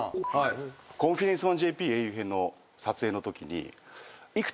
『コンフィデンスマンＪＰ英雄編』の撮影のときに。